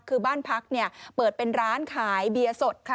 คือบ้านพักเปิดเป็นร้านขายเบียร์สดค่ะ